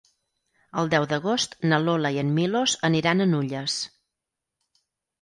El deu d'agost na Lola i en Milos aniran a Nulles.